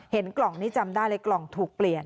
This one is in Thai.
กล่องนี้จำได้เลยกล่องถูกเปลี่ยน